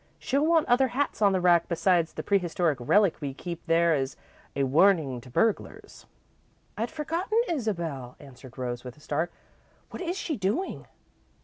She'll want other hats on the rack besides the prehistoric relic we keep there as a warning to burglars." "I'd forgotten Isabel," answered Rose, with a start. "What is she doing?"